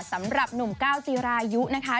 สำหรับหนุ่มก้าวจีรายุนะคะ